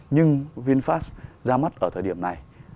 nhưng vinfast ra mắt ở thời điểm nào